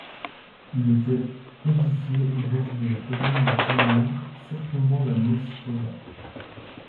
Il était édifié au bord de la colline du Kremlin surplombant la Moskova.